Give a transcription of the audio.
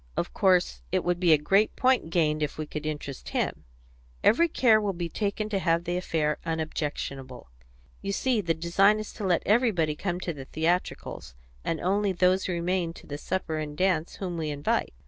"Of course. It would be a great point gained if we could interest him. Every care will be taken to have the affair unobjectionable. You see, the design is to let everybody come to the theatricals, and only those remain to the supper and dance whom we invite.